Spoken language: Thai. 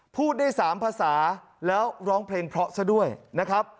พูดได้๓ภาษาแล้วร้องเพลงเพราะซะด้วยนะครับ